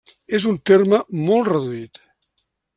És un terme molt reduït.